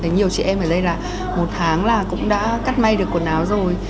nhiều chị em ở đây là một tháng là cũng đã cắt may được quần áo rồi